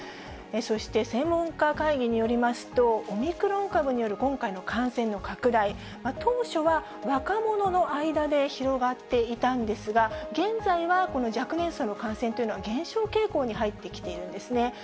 そして専門家会議によりますと、オミクロン株による今回の感染の拡大、当初は若者の間で広がっていたんですが、現在はこの若年層の感染というのは、減少傾向に入ってきているんですね。